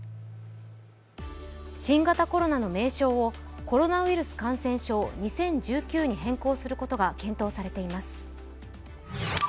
新型コロナの名称をコロナウイルス感染症２０１９に変更することが検討されています。